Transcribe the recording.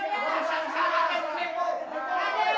tidak ada yang akan menyuruh datangnya